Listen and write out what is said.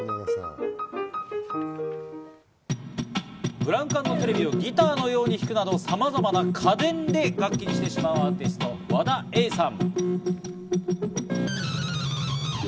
ブラウン管のテレビをギターのように弾くなど、さまざまな家電を楽器にしてしまうアーティスト・和田永さん。